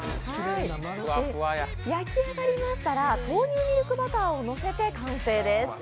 焼き上がりましたら豆乳ミルクバターをのせて完成です。